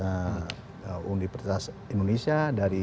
apakah dari universitas indonesia